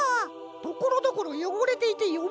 ところどころよごれていてよめんな。